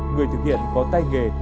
người thực hiện có tay nghề